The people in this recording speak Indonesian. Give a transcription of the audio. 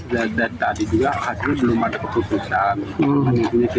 tadi juga harus belum ada keputusan